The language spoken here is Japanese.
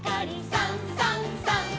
「さんさんさん」